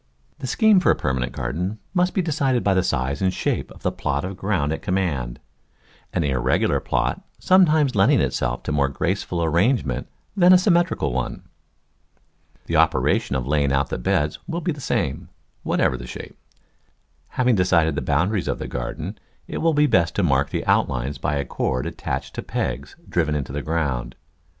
The scheme for a permanent garden must be de cided by the size and shape of the plot of ground at command, an irregular plot sometimes lending itself to more graceful arrangement than a symmetrical one. The operation of laying out the beds will be the same, whatever the shape. Having decided the boundaries of the garden it will be best to mark the outlines by a cord attached to pegs driven into the ground.